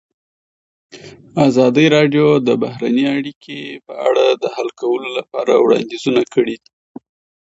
ازادي راډیو د بهرنۍ اړیکې په اړه د حل کولو لپاره وړاندیزونه کړي.